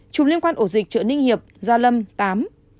chủng liên quan ổ dịch trợ ninh hiệp gia lâm tám